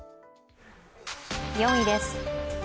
４位です。